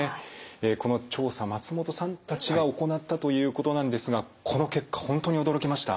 この調査松本さんたちが行ったということなんですがこの結果本当に驚きました。